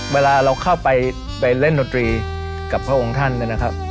เวลาเราเข้าไปเล่นดนตรีกับพระองค์ท่านเนี่ยนะครับ